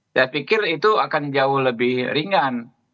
saya pikir itu akan jauh lebih ringan